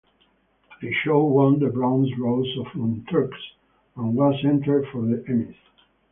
The show won the Bronze Rose of Montreux and was entered for the Emmys.